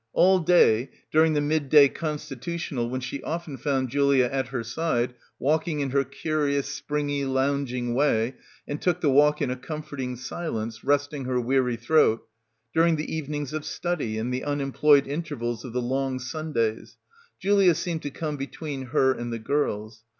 All day — during the midday constitutional when she — 169 — PILGRIMAGE . often found Julia at her side walking in her curious springy lounging way and took the walk in a comforting silence resting her weary throat, during the evenings of study and the unemployed intervals of the long Sundays — Julia seemed to come between her and the girls.